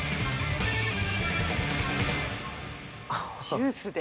ジュースで。